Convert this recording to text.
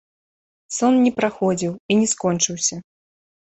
Сон не праходзіў і не скончыўся.